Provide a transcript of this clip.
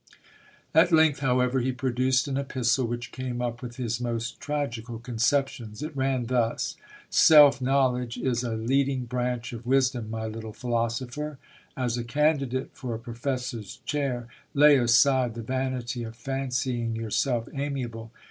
At length, however, he produced an epistle which came up with his most tragical conceptions. It ran thus — "Self knowledge is a leading branch of wisdom, my little philosopher. As a candidate for a professor's chair, lay aside the vanity of fancying yourself amiable.